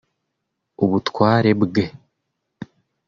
ubutware bwe